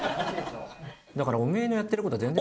だからおめえのやってる事は全然。